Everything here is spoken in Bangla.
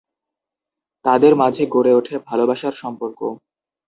তাদের মাঝে গড়ে ওঠে ভালোবাসার সম্পর্ক।